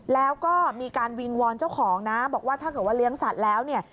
แล้วก็มีการวิงวอนเจ้าของนะบอกว่าถ้าเกิดว่าเลี้ยงสัตว์แล้วเนี่ย